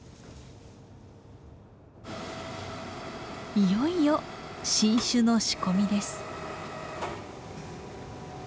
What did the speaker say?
いよいよ新酒の仕込みです。